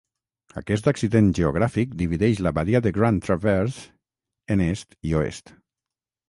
Aquest accident geogràfic divideix la badia de Grand Traverse en est i oest.